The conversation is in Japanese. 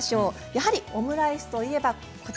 やはりオムライスといえばこちら。